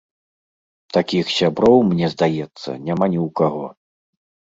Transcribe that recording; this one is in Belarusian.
Такіх сяброў, мне здаецца, няма ні ў каго.